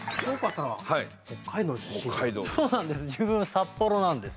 そうなんです。